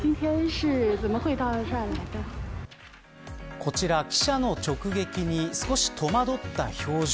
こちら、記者の直撃に少し戸惑った表情。